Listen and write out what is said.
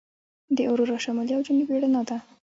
د اورورا شمالي او جنوبي رڼا ده.